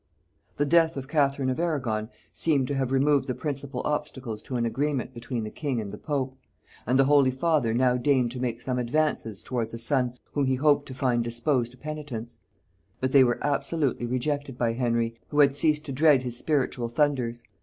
The death of Catherine of Arragon seemed to have removed the principal obstacles to an agreement between the king and the pope; and the holy father now deigned to make some advances towards a son whom he hoped to find disposed to penitence: but they were absolutely rejected by Henry, who had ceased to dread his spiritual thunders.